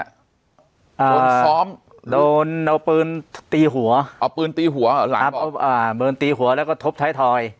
โดนซ้อมโดนเอาปืนตีหัวเอาปืนตีหัวแล้วก็ทบไทยทอย